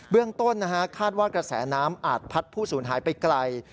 เรื่องต้นคาดว่ากระแสน้ำอาจพัดผู้สูญหายไปไกล